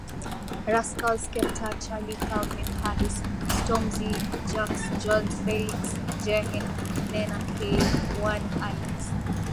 Rascal Skepta Charli Calvin Harris Stormzy Jax Jones Felix Jaehn Nena Kay One Alex